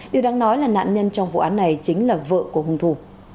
điều đáng nói là nạn nhân trong vụ án này chính là vợ của hung thủ